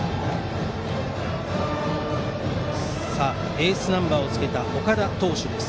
エースナンバーをつけた岡田投手です。